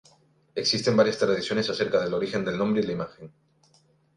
Existen varias tradiciones acerca del origen del nombre y la imagen.